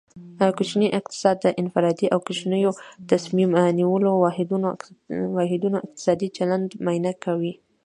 کوچنی اقتصاد د انفرادي او کوچنیو تصمیم نیولو واحدونو اقتصادي چلند معاینه کوي